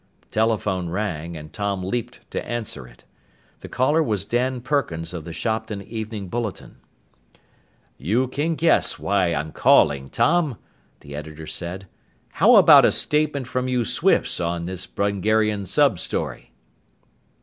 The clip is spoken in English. The telephone rang and Tom leaped to answer it. The caller was Dan Perkins of the Shopton Evening Bulletin. "You can guess why I'm calling, Tom," the editor said. "How about a statement from you Swifts on this Brungarian sub story?"